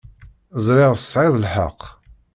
Ẓṛiɣ tesɛiḍ lḥeq.